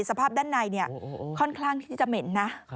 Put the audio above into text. สภาพด้านในค่อนข้างที่จะเหม็นนะ